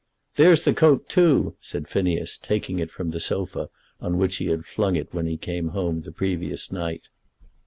"There is the coat, too," said Phineas, taking it from the sofa on which he had flung it when he came home the previous night.